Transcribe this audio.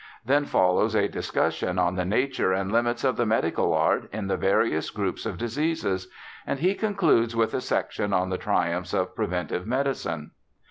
Then follows a discussion on the nature and limits of the medical art in the various groups of diseases, and he concludes with a section on the triumphs of preventive medicine.